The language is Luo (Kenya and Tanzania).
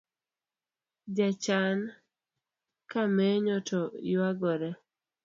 Jachan kamenyo to yuagore